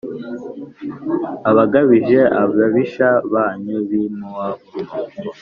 Abagabije ababisha banyu b i mowabu nuko